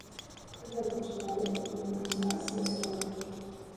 Гэта чалавек, якому зараз за сорак.